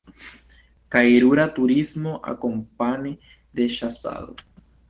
Kaj rura turismo akompane de ĉasado.